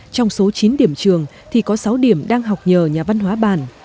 trong số chín điểm trường thì có sáu điểm đang học nhờ nhà văn hóa bàn